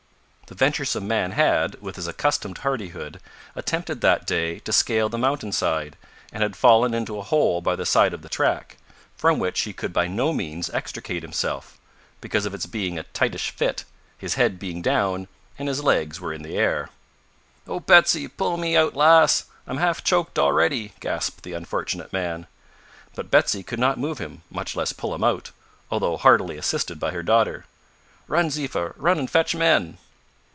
The venturesome man had, with his accustomed hardihood, attempted that day to scale the mountain side, and had fallen into a hole by the side of the track, from which he could by no means extricate himself, because of its being a tightish fit, his head being down and his legs were in the air. "Oh, Betsy, pull me out lass! I'm half choked already," gasped the unfortunate man. But Betsy could not move him, much less pull him out, although heartily assisted by her daughter. "Run, Ziffa, run an' fetch men!"